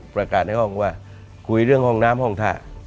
ในห้องว่าคุยเรื่องห้องน้ำห้องท่า